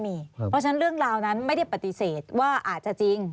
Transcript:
เพราะฉะนั้นเรื่องราวนั้นไม่ได้ปฏิเสธว่าอาจจะจริง